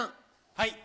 はい。